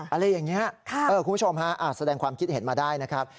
อะไรอย่างนี้คุณผู้ชมฮะแสดงความคิดเห็นมาได้นะครับ